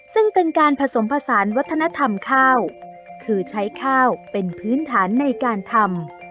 ซึ่งเป็นการผสมผสานวัฒนธรรมข้าวคือใช้ข้าวเป็นพื้นฐานในการทำ